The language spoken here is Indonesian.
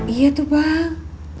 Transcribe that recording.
iya tuh bang